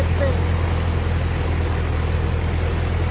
คัตเว้ยยยย